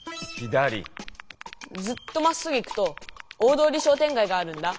ずっとまっすぐ行くと大通りしょうてんがいがあるんだ。